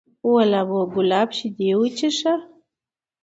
ول ابو کلاب شیدې وڅښه!